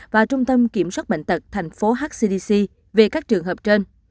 và trung tâm kiểm soát bệnh tật tp hcdc về các trường hợp trên